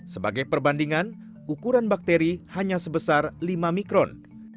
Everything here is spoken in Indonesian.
sebagai perbandingan ukuran bakteri hanya sebesar lima mikron